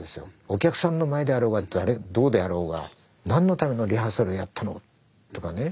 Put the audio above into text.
お客さんの前であろうがどうであろうが「何のためのリハーサルやったの！」とかね。